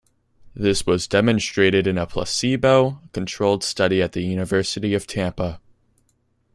This was demonstrated in a placebo-controlled study at the University of Tampa.